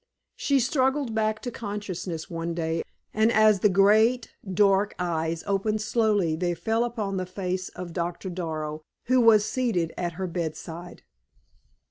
She struggled back to consciousness one day, and as the great dark eyes opened slowly they fell upon the face of Doctor Darrow, who was seated at her bedside.